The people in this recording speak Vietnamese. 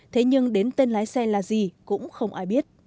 thế nhưng đến tên lái xe là gì cũng không ai biết